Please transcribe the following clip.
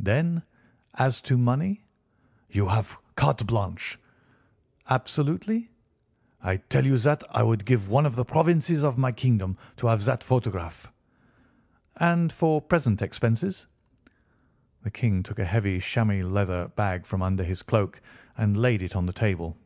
"Then, as to money?" "You have carte blanche." "Absolutely?" "I tell you that I would give one of the provinces of my kingdom to have that photograph." "And for present expenses?" The King took a heavy chamois leather bag from under his cloak and laid it on the table.